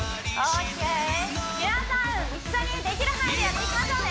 皆さん一緒にできる範囲でやっていきましょうね